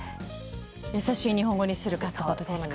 やさしい日本語にするかってことですか？